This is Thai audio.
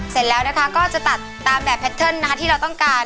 เสร็จแล้วนะคะก็จะตัดตามแบบแพทเทิร์นนะคะที่เราต้องการ